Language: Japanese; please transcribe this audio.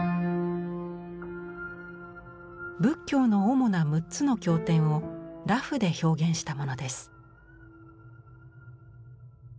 仏教の主な６つの経典を裸婦で表現したものです。